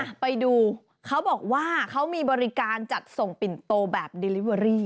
ไปดูเขาบอกว่าเขามีบริการจัดส่งปิ่นโตแบบดิลิเวอรี่